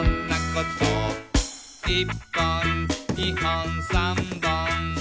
「１ぽん２ほん３ぼん」